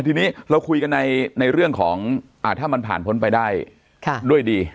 ทีนี้เราคุยกันในว่าถ้ามันผ่านพ้นไปด้วยดี